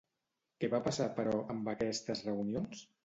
Què va passar, però, amb aquestes reunions?